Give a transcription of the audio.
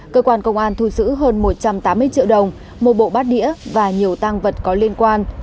cơ quan công an thu giữ hơn một trăm tám mươi triệu đồng một bộ bát đĩa và nhiều tăng vật có liên quan